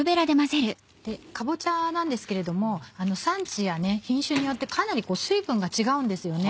かぼちゃなんですけれども産地や品種によってかなり水分が違うんですよね。